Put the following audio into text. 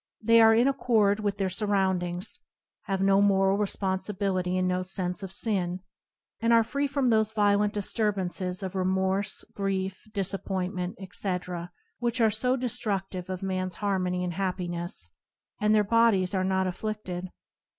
They are in accord with their surroundings, have no moral responsibility and no sense of sin, and are free from those violent disturbances of remorse, grief, dis appointment, etc., which are so destructive of man's harmony and happiness, and their bodies are not affli&ed.